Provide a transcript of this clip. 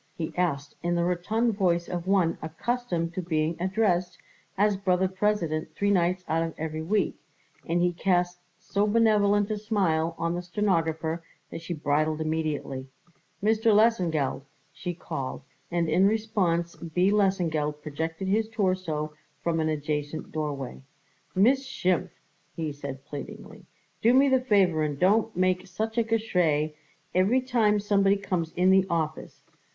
he asked in the rotund voice of one accustomed to being addressed as Brother President three nights out of every week, and he cast so benevolent a smile on the stenographer that she bridled immediately. "Mis ter Lesengeld," she called, and in response B. Lesengeld projected his torso from an adjacent doorway. "Miss Schimpf," he said pleadingly, "do me the favour and don't make such a Geschrei every time somebody comes in the office.